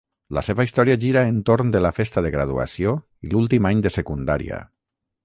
La seva història gira entorn de la festa de graduació i l'últim any de secundària.